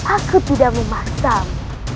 aku tidak memaksamu